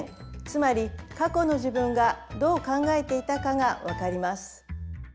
つまり過去の自分がどう考えていたかがわかります。